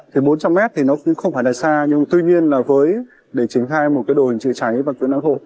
thì bốn trăm linh mét thì nó cũng không phải là xa nhưng tuy nhiên là với để triển khai một cái đồ hình chữa cháy và cứu nạn hộ